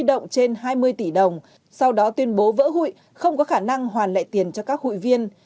đi động trên hai mươi tỷ đồng sau đó tuyên bố vỡ hội không có khả năng hoàn lại tiền cho các hội viên